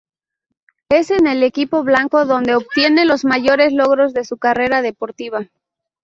Es en el equipo blanco donde obtiene los mayores logros de su carrera deportiva.